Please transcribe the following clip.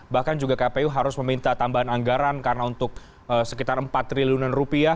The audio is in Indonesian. bahkan juga kpu harus meminta tambahan anggaran karena untuk sekitar empat triliunan rupiah